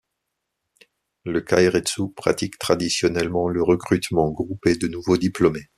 Les keiretsu pratiquent traditionnellement le recrutement groupé de nouveaux diplômés.